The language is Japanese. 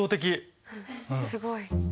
すごい。